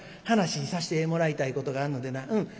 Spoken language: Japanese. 話さしてもらいたいことがあるのでな。